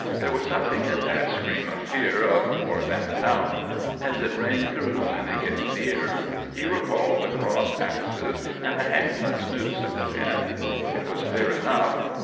There was something in that scream of fear of more than the knout. As it rang through Lanagan's ears, he recalled the crossed axes and the hangman's noose of the pin. It was clear enough.